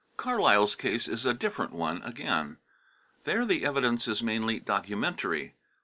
Carlyle's case is a different one again. There the evidence is mainly documentary.